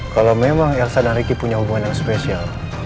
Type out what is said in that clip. kalo memang elsa dan ricky punya hubungan yang sama